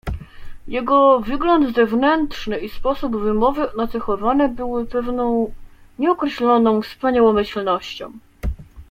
"Jego wygląd zewnętrzny i sposób wymowy nacechowane były pewną nieokreśloną wspaniałomyślnością."